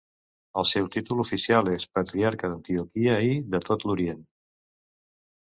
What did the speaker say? El seu títol oficial és patriarca d'Antioquia i de tot l'Orient.